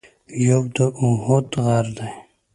یو د اُحد غر دی.